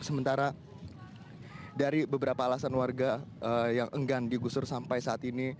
sementara dari beberapa alasan warga yang enggan digusur sampai saat ini